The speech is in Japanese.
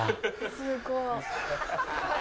「すごい」